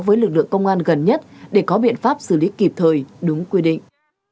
với lực lượng công an gần nhất để có biện pháp xử lý kịp thời đúng quy định